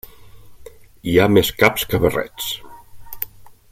Hi ha més caps que barrets.